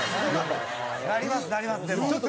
なりますなりますでも。